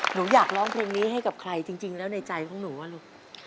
หนูอยากร้องเพลงนี้ให้กับใครจริงแล้วในใจของหนูว่าลูก